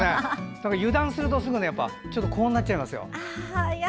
油断するとすぐにこうなっちゃいますよ。